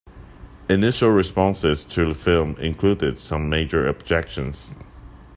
Initial responses to the film included some major objections.